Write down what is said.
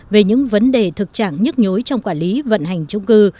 về những vấn đề thực trạng nhức nhối trong quản lý vận hành trung cư